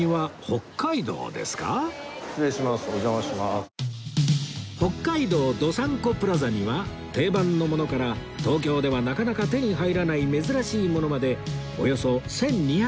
北海道どさんこプラザには定番のものから東京ではなかなか手に入らない珍しいものまでおよそ１２００種類もの名産品が集まっています